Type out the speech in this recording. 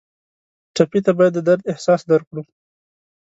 ټپي ته باید د درد احساس درکړو.